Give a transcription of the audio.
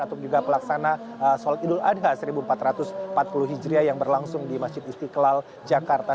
atau juga pelaksana solat idul adha seribu empat ratus empat puluh hijriah yang berlangsung di masjid istiqlal jakarta